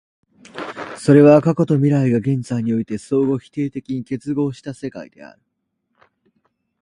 それは過去と未来が現在において相互否定的に結合した世界である。